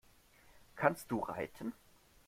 Kannst du reiten?